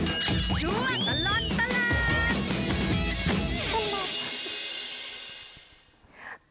ช่วยตลอดตลาด